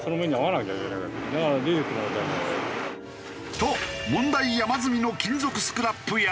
と問題山積みの金属スクラップヤード。